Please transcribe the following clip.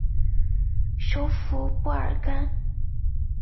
首府布尔干。